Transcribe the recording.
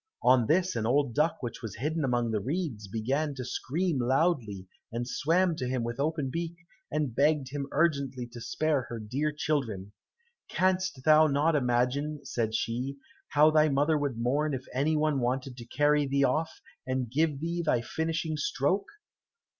On this an old duck which was hidden among the reeds, began to scream loudly, and swam to him with open beak, and begged him urgently to spare her dear children. "Canst thou not imagine," said she, "how thy mother would mourn if any one wanted to carry thee off, and give thee thy finishing stroke?"